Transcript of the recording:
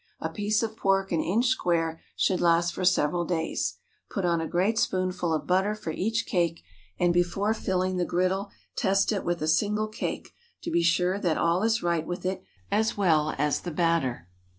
A piece of pork an inch square should last for several days. Put on a great spoonful of butter for each cake, and before filling the griddle test it with a single cake, to be sure that all is right with it as well as the batter.